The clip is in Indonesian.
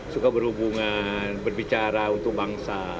suka berhubungan berbicara untuk bangsa